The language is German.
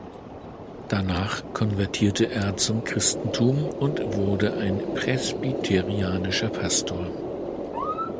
Danach konvertierte er zum Christentum und wurde ein presbyterianischer Pastor.